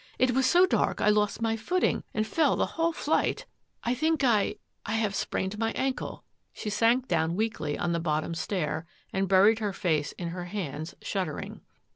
It was so dark I lost my footing and fell the whole flight. I think I — 28 THAT AFFAIR AT THE MANOR I have sprained my ankle." She sank down weakly on the bottom stair and buried her face in her hands, shuddering.